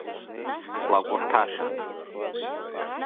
Лакәырҭаца.